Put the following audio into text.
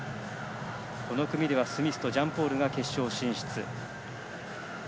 この組ではスミスとジャンポールが決勝進出。